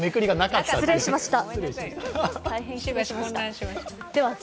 大変失礼しました。